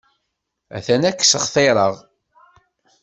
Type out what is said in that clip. Atan ad k-ssextireɣ.